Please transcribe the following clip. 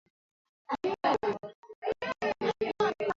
Kongo inashirikiana mipaka na nchi zote za Afrika Mashariki isipokuwa Kenya